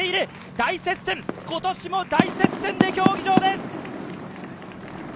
大接戦、今年も大接戦で競技場です。